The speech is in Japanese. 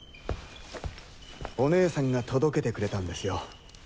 お姉さんが届けてくれたんですよ。